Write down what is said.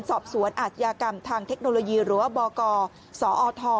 สอบสวนอาชญากรรมทางเทคโนโลยีหรือว่าบกสอท